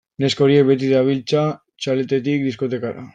Neska horiek beti dabiltza txaletetik diskotekara.